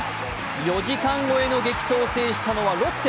４時間超えの激闘を制したのはロッテ。